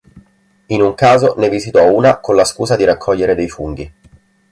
In un caso ne visitò una con la scusa di raccogliere dei funghi.